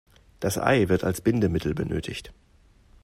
Das Ei wird als Bindemittel benötigt.